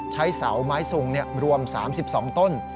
ใช้เสาไม้ซุงรวม๓๒ต้น